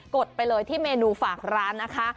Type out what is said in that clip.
ดไปเลยที่เมนูฝากร้านนะคะ